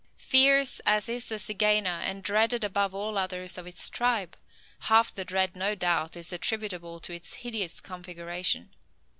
Fierce as is the zygaena and dreaded above all others of its tribe, half the dread no doubt is attributable to its hideous configuration.